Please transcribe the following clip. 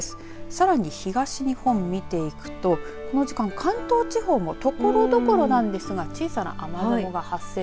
さらに、東日本見ていくとこの時間、関東地方もところどころなんですが小さな雨雲が発生。